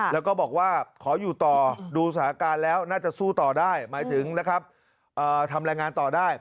แล้วก็บอกว่าขออยู่ต่อดูสถานการณ์แล้วน่าจะสู้ต่อได้หมายถึงนะครับทำรายงานต่อได้